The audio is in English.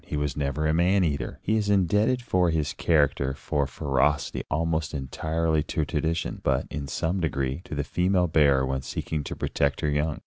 He was never a man eater. He is indebted for his character for ferocity almost entirely to tradition, but, in some degree, to the female bear when seeking to protect her young.